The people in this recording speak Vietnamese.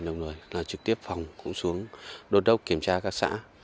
đồng lời là trực tiếp phòng cũng xuống đốt đốc kiểm tra các xã